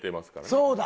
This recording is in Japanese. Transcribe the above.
そうだ！